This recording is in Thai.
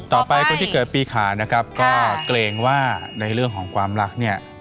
คนที่เกิดปีขานะครับก็เกรงว่าในเรื่องของความรักเนี่ย